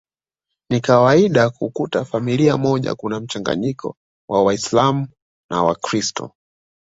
Ni kawaida kukuta familia moja kuna mchanganyiko wa waislamu na wakiristo